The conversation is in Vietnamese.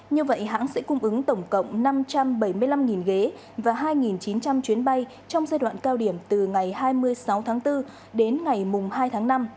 như vậy hãng sẽ cung ứng tổng cộng năm trăm bảy mươi năm ghế và hai chín trăm linh chuyến bay trong giai đoạn cao điểm từ ngày hai mươi sáu tháng bốn đến ngày hai tháng năm